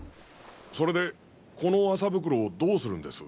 それでこの麻袋をどうするんです？